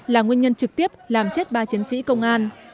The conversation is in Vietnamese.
là nguyên nhân trực tiếp làm chết ba chiến sĩ công an